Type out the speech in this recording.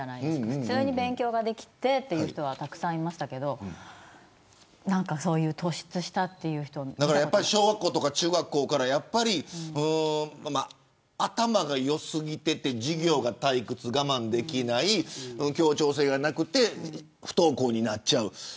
普通に勉強ができてという人はたくさんいましたが小学校とか中学校から頭が良すぎてて授業が退屈、我慢できない協調性がなくて不登校になっちゃう。